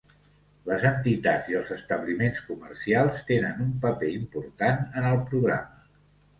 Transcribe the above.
Les entitats i els establiments comercials tenen un paper important en el programa.